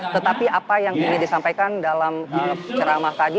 tetapi apa yang ingin disampaikan dalam ceramah tadi